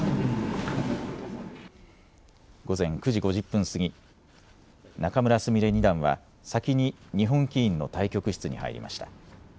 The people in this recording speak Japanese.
午前９時５０分過ぎ、仲邑菫二段は先に日本棋院の対局室に入りました。